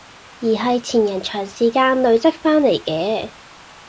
而係前人長時間累積返嚟嘅